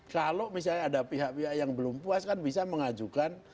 kalau misalnya ada pihak pihak yang belum puas kan bisa mengajukan